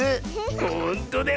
ほんとだよ。